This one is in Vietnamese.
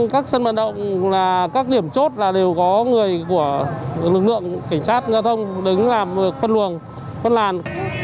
đã chủ động các phương án phân luồng phương tiện